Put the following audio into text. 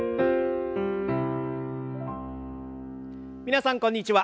皆さんこんにちは。